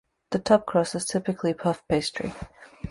The top crust is typically puff pastry.